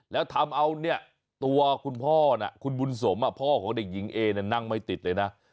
แล้วทำเอาเนี่ยตัวคุณพ่อนะคุณบุญสมพ่อของเด็กหญิงเอเนี่ยนั่งไม่ติดเลยนะ